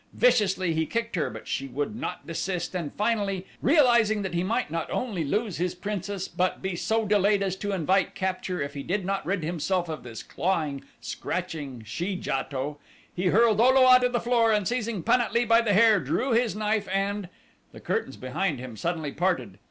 Viciously he kicked her, but she would not desist, and finally, realizing that he might not only lose his princess but be so delayed as to invite capture if he did not rid himself of this clawing, scratching she JATO, he hurled O lo a to the floor and seizing Pan at lee by the hair drew his knife and The curtains behind him suddenly parted.